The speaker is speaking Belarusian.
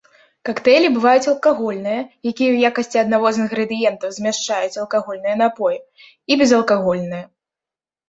Кактэйлі бываюць алкагольныя, якія ў якасці аднаго з інгрэдыентаў змяшчаюць алкагольныя напоі, і безалкагольныя.